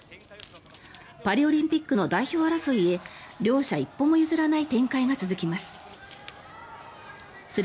パリオリンピックの代表争いへ両者一歩も譲らない展開が続きます。